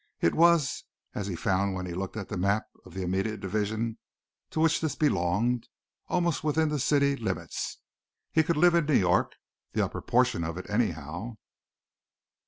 It was, as he found when he looked at the map of the immediate division to which this belonged, almost within the city limits. He could live in New York the upper portion of it anyhow.